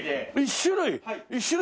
１種類で。